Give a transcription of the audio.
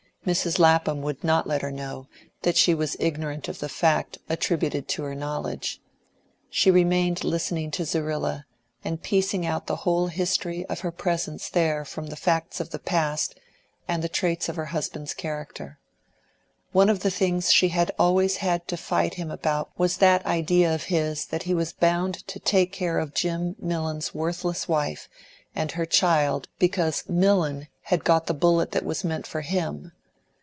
Mrs. Lapham would not let her know that she was ignorant of the fact attributed to her knowledge. She remained listening to Zerrilla, and piecing out the whole history of her presence there from the facts of the past, and the traits of her husband's character. One of the things she had always had to fight him about was that idea of his that he was bound to take care of Jim Millon's worthless wife and her child because Millon had got the bullet that was meant for him.